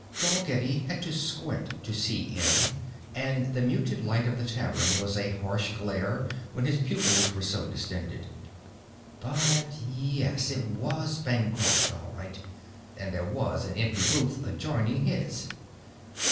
Dalgetty had to squint to see in and the muted light of the tavern was a harsh glare when his pupils were so distended. But, yes it was Bancroft all right and there was an empty booth adjoining his.